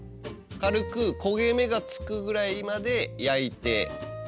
軽く焦げ目がつくぐらいまで焼いて。